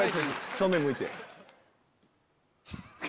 正面向いて。